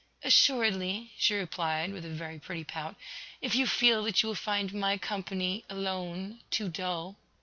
"Assuredly," she replied, with a very pretty pout, "if you feel that you will find my company, alone, too dull."